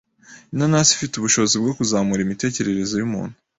inanasi ifite ubushobozi bwo kuzamura imitekerereze y’umuntu